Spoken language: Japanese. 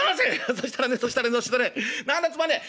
「そしたらねそしたらねそしたらね何だつまんねえ。